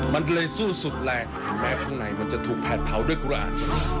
มันเลยสู้สุดแรกแม้ข้างในมันจะถูกแพทย์เผาด้วยกุระอัน